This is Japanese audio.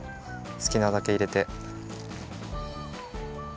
すきなだけいれて。